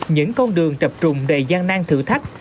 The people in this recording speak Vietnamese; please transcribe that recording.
những con đường chập trùng đầy gian nang thử thách